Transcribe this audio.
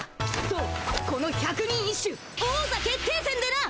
そうこの百人一首王座決定戦でな。